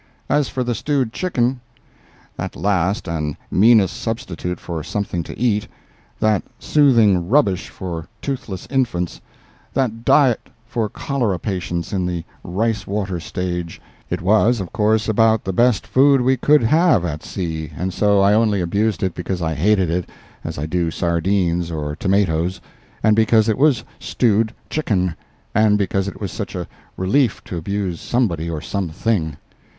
As for the stewed chicken—that last and meanest substitute for something to eat—that soothing rubbish for toothless infants—that diet for cholera patients in the rice water stage—it was of course about the best food we could have at sea, and so I only abused it because I hated it as I do sardines or tomatoes, and because it was stewed chicken, and because it was such a relief to abuse somebody or something.